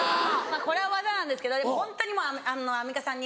これは技なんですけどでもホントにアンミカさんに。